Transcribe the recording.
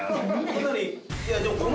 かなり。